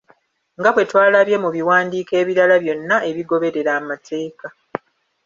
Nga bwe twalabye mu biwandiiko ebirala byonna ebigoberera amateeka.